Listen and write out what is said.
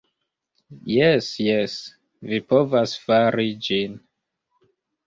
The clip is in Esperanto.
"Jes jes, vi povas fari ĝin.